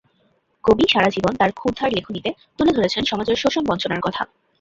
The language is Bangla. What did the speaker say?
কবি সারা জীবন তাঁর ক্ষুরধার লেখনীতে তুলে ধরেছেন সমাজের শোষণ-বঞ্চনার কথা।